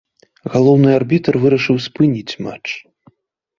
Галоўны арбітр вырашыў спыніць матч.